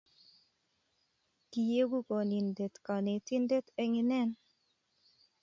kiyeku kominen konetindet eng' inen.